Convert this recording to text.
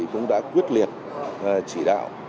cũng đã quyết liệt chỉ đạo